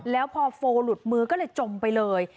แล้วพอโฟลหลุดมือก็เลยจมไปเลย